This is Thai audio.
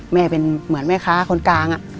แม่เป็นเหมือนแม่ค้าคนกลาง